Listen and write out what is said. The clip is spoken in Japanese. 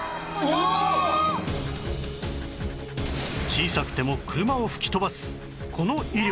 小さくても車を吹き飛ばすこの威力